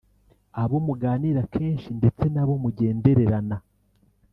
abo muganira kenshi ndetse n'abo mujyendererana